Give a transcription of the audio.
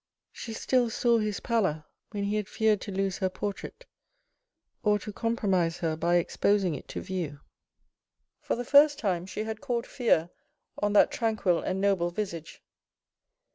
She still saw his pallor when he had feared to lose her portrait, or to compromise her by exposing it to view. For the first time she had caught fear on that tranquil and noble visage.